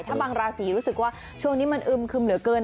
ถ้าบางราศีรู้สึกว่าช่วงนี้มันอึมคึมเหลือเกิน